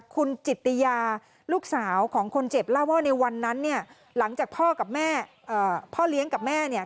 คุณจิตติยาลูกสาวของคนเจ็บเล่าว่าในวันนั้นเนี่ยหลังจากพ่อกับแม่พ่อเลี้ยงกับแม่เนี่ย